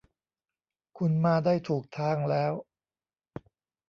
คุณมาได้ถูกทางแล้ว